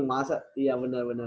ih masa iya bener bener